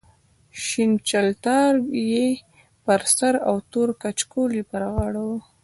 شین چلتار یې پر سر او تور کچکول یې پر غاړه و.